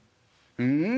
うん？